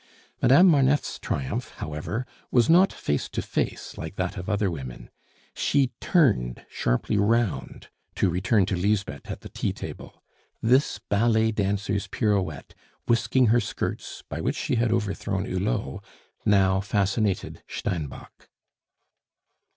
Madame Marneffe's triumph, however, was not face to face like that of other women. She turned sharply round to return to Lisbeth at the tea table. This ballet dancer's pirouette, whisking her skirts, by which she had overthrown Hulot, now fascinated Steinbock.